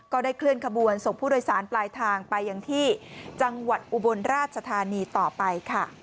ก็ได้เคลื่อนขบวนส่งผู้โดยสารปลายทางไปยังที่จังหวัดอุบลราชธานีต่อไปค่ะ